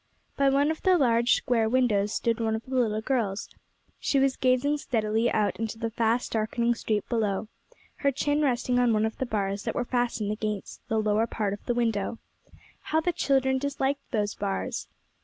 By one of the large square windows stood one of the little girls; she was gazing steadily out into the fast darkening street below, her chin resting on one of the bars that were fastened across the lower part of the window. How the children disliked those bars!